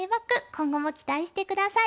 今後も期待して下さい。